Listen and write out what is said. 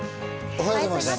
おはようございます。